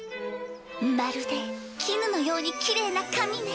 まるで絹のようにきれいな髪ね。